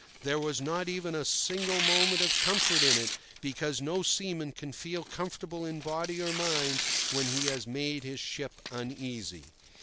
There was not even a single moment of comfort in it, because no seaman can feel comfortable in body or mind when he has made his ship uneasy.